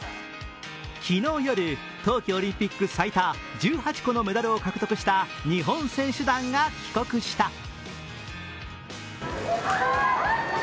昨日夜、冬季オリンピック最多１８個のメダルを獲得した日本選手団が帰国した。